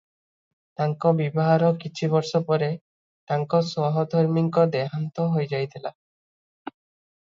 ତାଙ୍କ ବିବାହର କିଛି ବର୍ଷ ପରେ ତାଙ୍କ ସହଧର୍ମୀଙ୍କ ଦେହାନ୍ତ ହୋଇଯାଇଥିଲା ।